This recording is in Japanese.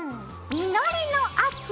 実りの秋！